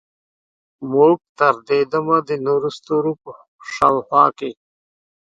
موږ تر دې دمه د نورو ستورو په شاوخوا کې